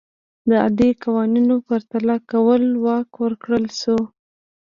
د عادي قوانینو پرتله کولو واک ورکړل شو.